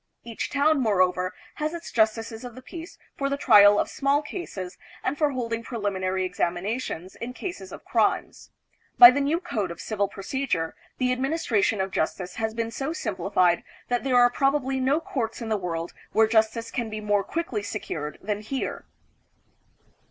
Each town, moreover, has its justices of the peace for the trial of small cases and for holding preliminary examinations in. cases of crimes. By the new Code of Civil Procedure, the administration of justice has been so simplified that there are probably no courts in the world where justice can be more quickly secured than here.